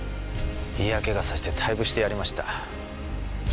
嫌気がさして退部してやりました。